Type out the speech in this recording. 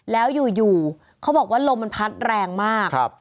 แล้วอยู่เขาบอกว่าลมมันพัดแรงมาก